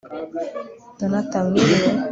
donata mwiriwe